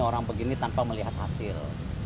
orang begini tanpa melihat hasil